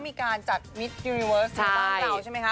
มีการจัดวิทยุนิเวิร์สต่างใช่ไหมคะ